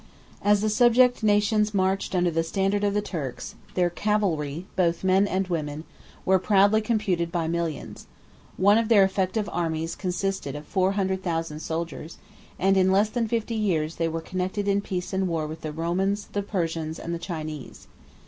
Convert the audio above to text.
As the subject nations marched under the standard of the Turks, their cavalry, both men and horses, were proudly computed by millions; one of their effective armies consisted of four hundred thousand soldiers, and in less than fifty years they were connected in peace and war with the Romans, the Persians, and the Chinese.